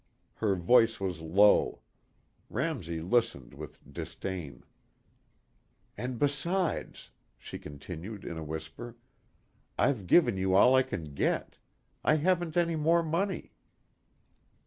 Her voice was low. Ramsey listened with disdain. "And besides," she continued in a whisper, "I've given you all I can get. I haven't any more money."